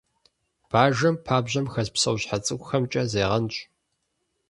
Бажэм пабжьэм хэс псэущхьэ цӀыкӀухэмкӀэ зегъэнщӀ.